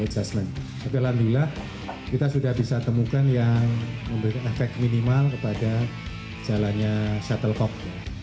tapi alhamdulillah kita sudah bisa temukan yang memberikan efek minimal kepada jalannya shuttle cock